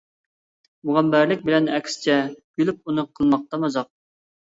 مۇغەمبەرلىك بىلەن ئەكسىچە، كۈلۈپ ئۇنى قىلماقتا مازاق.